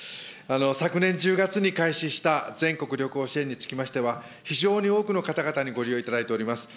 昨年１０月に開始した全国旅行支援につきましては、非常に多くの方々にご利用いただいております。